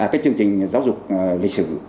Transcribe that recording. cái chương trình giáo dục lịch sử